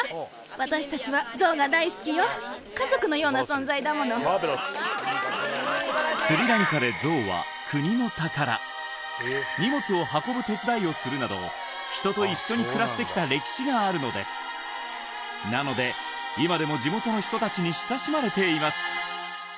それにしてもスリランカで荷物を運ぶ手伝いをするなど人と一緒に暮らしてきた歴史があるのですなので今でも地元の人たちに親しまれています